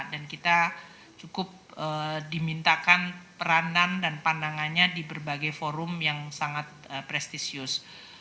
dan kita cukup dimintakan peranan dan pandangannya di berbagai forum yang sangat prestisius